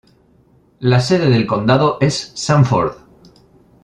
La sede del condado es Sanford.